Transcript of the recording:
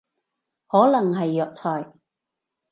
可能係藥材